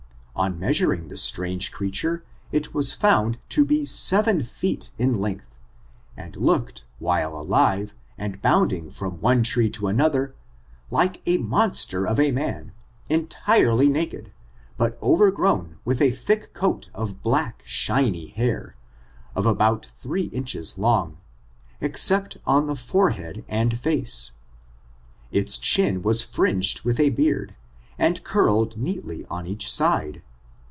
On measuring the strange creature, it was found to be seven feet in length, and looked, while alive, and bounding from one tree to another, like a monster of a man, entirely naked, bat overgrown with a thick coat of black, shiny hair, of about three inches long, except on the forehead and face. Its chin was fringed with a beard, which curl ed neatly on each side.